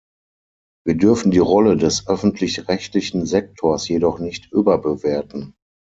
Wir dürfen die Rolle des öffentlich-rechtlichen Sektors jedoch nicht überbewerten.